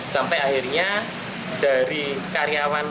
sampai akhirnya dari karyawan kami karyawan saya